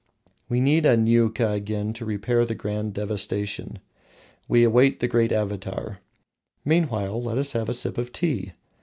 We need a Niuka again to repair the grand devastation; we await the great Avatar. Meanwhile, let us have a sip of tea.